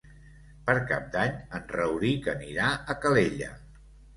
Per Cap d'Any en Rauric anirà a Calella.